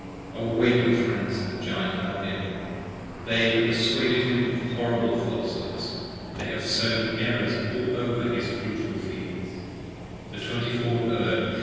awake, O Friends of the Giant Albion! They have perswaded him of horrible falshoods: 20 They have sown errors over all his fruitful fields! The Twenty four heard!